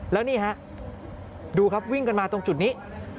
แล้วนี่ฮะดูครับวิ่งกันมาตรงจุดนี้